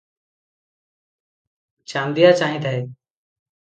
Chandia ଚାହିଁଥାଏ ।